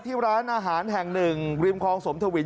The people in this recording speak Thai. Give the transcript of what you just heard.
ที่ร้านอาหารแห่งหนึ่งริมคลองสมทวิน